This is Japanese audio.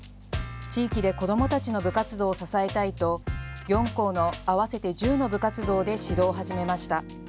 地域で子どもたちの部活動を支えたいと４校の合わせて１０の部活動で指導を始めました。